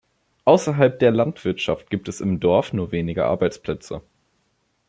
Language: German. Ausserhalb der Landwirtschaft gibt es im Dorf nur wenige Arbeitsplätze.